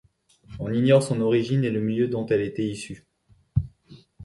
On ignore son origine et le milieu dont elle était issue.